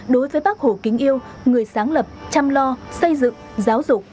đối với bác hồ kính yêu người sáng lập chăm lo xây dựng giáo dục